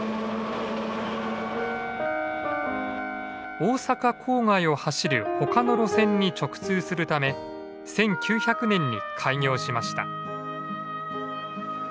大阪郊外を走る他の路線に直通するため１９００年に開業しました。